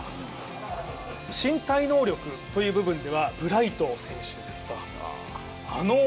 身体能力という部分ではブライト選手ですか。